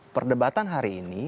perdebatan hari ini